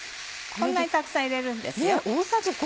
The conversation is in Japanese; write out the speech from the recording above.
こんなにたくさん入れるんですよ。